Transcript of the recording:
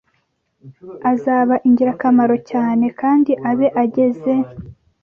azaba ingirakamaro cyane kandi abe ageze